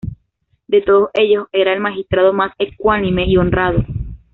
De todos ellos era el magistrado más ecuánime y honrado.